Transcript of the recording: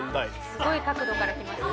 すごい角度からきました。